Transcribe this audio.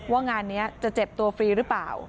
งานนี้จะเจ็บตัวฟรีหรือเปล่า